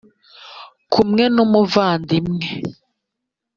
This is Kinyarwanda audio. kumwe n’ umuvandimwe.